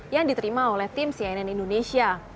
yang diterima oleh tim cnn indonesia